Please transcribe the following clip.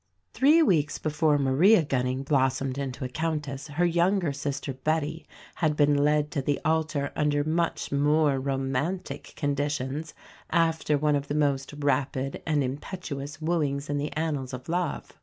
Three weeks before Maria Gunning blossomed into a Countess her younger sister Betty had been led to the altar under much more romantic conditions, after one of the most rapid and impetuous wooings in the annals of Love.